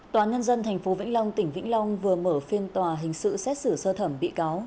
tòa nhân dân tp vĩnh long tỉnh vĩnh long vừa mở phiên tòa hình sự xét xử sơ thẩm bị cáo